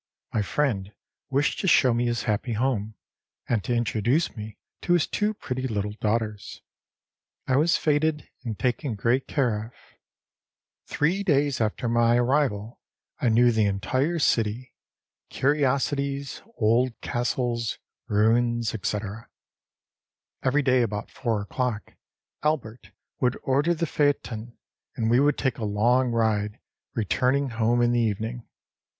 My friend wished to show me his happy home, and to introduce me to his two pretty little daughters. I was feted and taken great care of. Three days after my arrival I knew the entire city, curiosities, old castles, ruins, etc. Every day about four oâclock Albert would order the phaeton, and we would take a long ride, returning home in the evening.